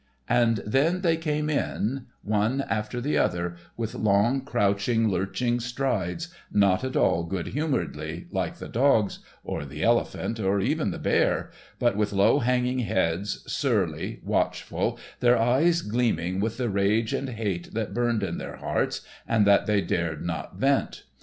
And then they came in, one after the other, with long, crouching, lurching strides, not at all good humouredly, like the dogs, or the elephant, or even the bear, but with low hanging heads, surly, watchful, their eyes gleaming with the rage and hate that burned in their hearts and that they dared not vent.